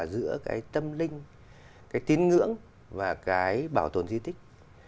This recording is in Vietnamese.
giữa cái tâm linh cái tín ngưỡng và cái bảo tồn di tích